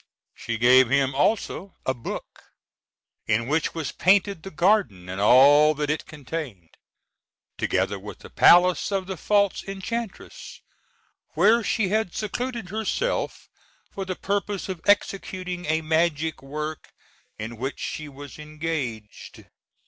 She gave him also a book in which was painted the garden and all that it contained, together with the palace of the false enchantress, where she had secluded herself for the purpose of executing a magic work in which she was engaged.